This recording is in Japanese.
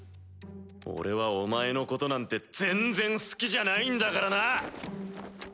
俺はお前のことなんて全然好きじゃないんだからな！